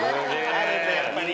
あるんだやっぱり。